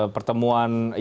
pertemuan yang memang ada